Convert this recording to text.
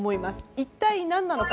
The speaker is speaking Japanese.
一体何なのか。